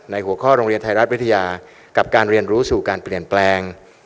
หัวข้อโรงเรียนไทยรัฐวิทยากับการเรียนรู้สู่การเปลี่ยนแปลง